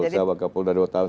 saya k polda dua tahun